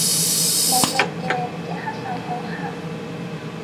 冇用嘅，隻黑手好黑